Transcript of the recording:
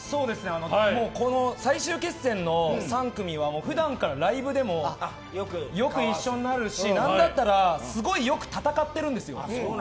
最終決戦の３組は普段からライブでもよく一緒になるし、なんだったらすごい、よく戦ってるんです。